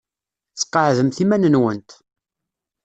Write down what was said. Sqeɛdemt iman-nwent.